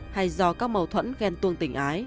hay do các mâu thuẫn ghen tuông tình ái